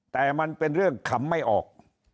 แต่มันเป็นเรื่องขำไม่ออก